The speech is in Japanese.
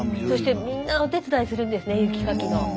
そしてみんなお手伝いするんですね雪かきの。